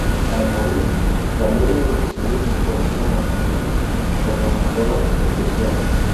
Al morir Galerio, lo sucedió su sobrino Maximino, que reanudó la persecución.